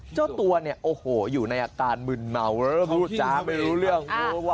เจ้าตัวเนี่ยโอ้โหอยู่ในอาการมึนเมาแล้วพูดจ้าไม่รู้เรื่อง